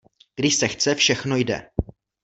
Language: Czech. Když se chce, všechno jde.